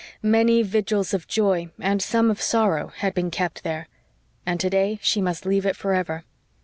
Many vigils of joy and some of sorrow had been kept there; and today she must leave it forever.